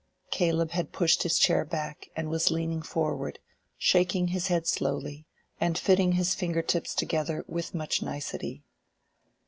Caleb had pushed his chair back, and was leaning forward, shaking his head slowly, and fitting his finger tips together with much nicety.